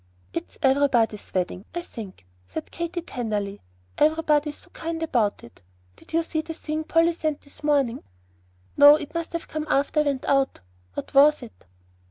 "It's everybody's wedding, I think," said Katy, tenderly. "Everybody is so kind about it. Did you see the thing that Polly sent this morning?" "No. It must have come after I went out. What was it?"